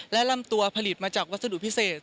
และลำตัวผลิตมาจากวัสดุพิเศษ